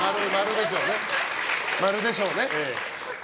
○でしょうね。